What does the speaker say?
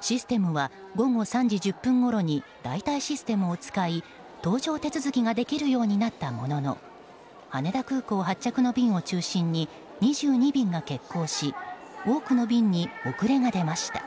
システムは午後３時１０分ごろに代替システムを使い搭乗手続きができるようになったものの羽田空港発着の便を中心に２２便が欠航し多くの便に遅れが出ました。